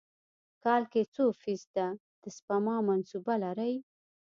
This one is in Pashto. کال کې څو فیص ده د سپما منصوبه لرئ؟